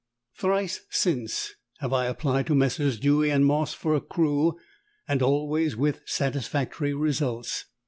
Thrice since have I applied to Messrs. Dewy and Moss for a crew, and always with satisfactory results.